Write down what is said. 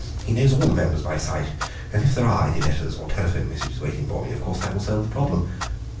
He knows all the members by sight, and if there are any letters or telephone messages waiting for me of course that will solve the problem.